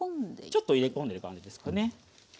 ちょっと入れ込んでいる感じですかね。